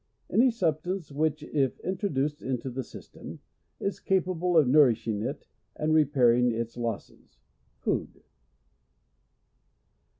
Any substance, which, if introduced into the system, is capable of nourishing it, and re pairing its losses. Food.